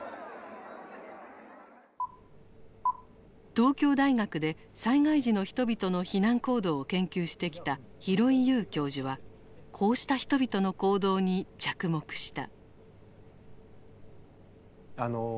東京大学で災害時の人々の避難行動を研究してきた廣井悠教授はこうした人々の行動に着目した。